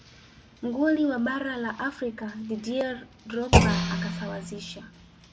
nguli wa bara la afrika didier drogba akasawazisha